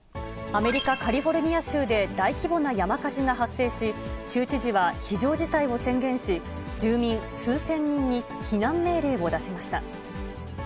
アメリカ・カリフォルニア州で大規模な山火事が発生し、州知事は非常事態を宣言し、住民数千人に避難命令を出しました。